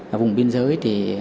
ở vùng biên giới